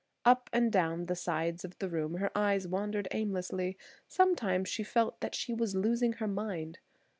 Up and down the sides of the room her eyes wandered aimlessly; sometimes she felt that she was losing her mind.